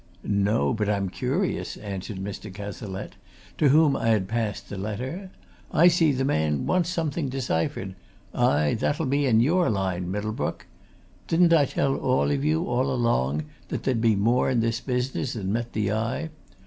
"No, but I'm curious," answered Mr. Cazalette, to whom I had passed the letter. "I see the man wants something deciphered aye, that'll be in your line, Middlebrook. Didn't I tell all of you, all along, that there'd be more in this business than met the eye?